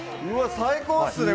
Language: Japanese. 最高ですね。